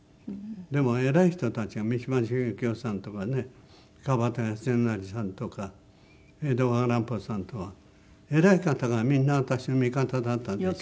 でも偉い人たち三島由紀夫さんとかね川端康成さんとか江戸川乱歩さんとか偉い方がみんな私の味方だったんです。